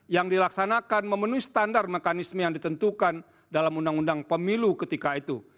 yang dilaksanakan memenuhi standar mekanisme yang ditentukan dalam undang undang pemilu ketika itu